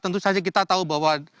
tentu saja kita tahu bahwa